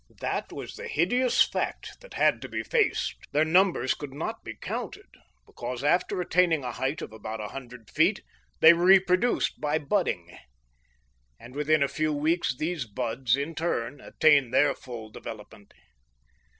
That was the hideous fact that had to be faced. Their numbers could not be counted because, after attaining a height of about a hundred feet, they reproduced by budding! And within a few weeks these buds, in turn, attained their full development.